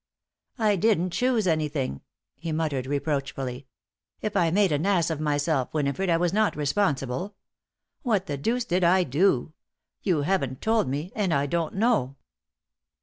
"I didn't choose anything," he muttered, reproachfully. "If I made an ass of myself, Winifred, I was not responsible. What the deuce did I do? You haven't told me and I don't know."